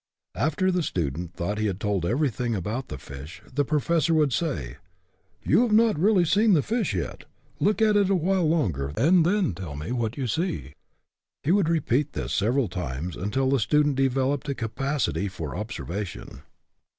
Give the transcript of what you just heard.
After the student thought he had told everything about the fish, the professor would say, " You have not really seen the fish yet. Look at it a while longer, and then tell me what you see." He would repeat this several times, until the student developed a capacity for observation.